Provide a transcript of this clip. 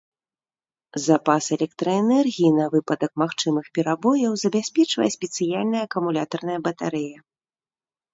Запас электраэнергіі на выпадак магчымых перабояў забяспечвае спецыяльная акумулятарная батарэя.